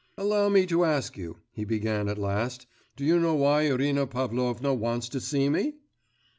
'Allow me to ask you,' he began at last, 'do you know why Irina Pavlovna wants to see me?